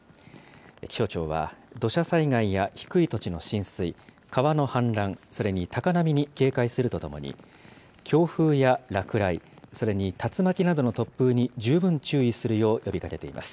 気象庁は土砂災害や低い土地の浸水、川の氾濫、それに高波に警戒するとともに、強風や落雷、それに竜巻などの突風に十分注意するよう呼びかけています。